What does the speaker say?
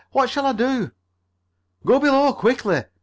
What shall I do?" "Go below quickly!"